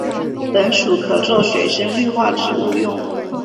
本属可做水生绿化植物用。